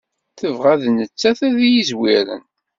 Tebɣa d nettat ad d-yezwiren!